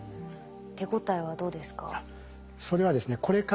手応えはどうですか？